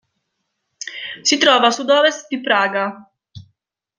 Si trova a a sudovest di Praga.